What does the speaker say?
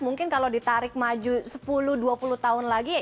mungkin kalau ditarik maju sepuluh dua puluh tahun lagi